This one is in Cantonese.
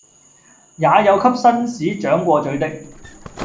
也有給紳士掌過嘴的，